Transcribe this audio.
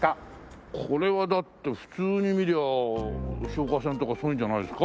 これはだって普通に見りゃあ消火栓とかそういうのじゃないですか？